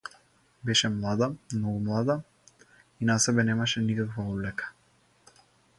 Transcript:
Беше млада, многу млада, и на себе немаше никаква облека.